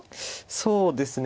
そうですね